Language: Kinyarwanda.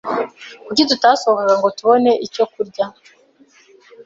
Kuki tutasohoka ngo tubone icyo kurya?